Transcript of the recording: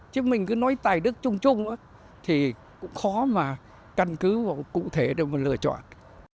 chứ mình cứ nói tài đức chung chung thì cũng khó mà căn cứ và cụ thể để mà lựa chọn